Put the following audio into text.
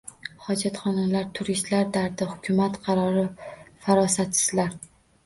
Hojatxonalar: turistlar dardi, Hukumat qarori, farosatsizlar